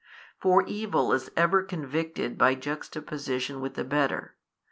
For evil is ever convicted by juxta position with the better.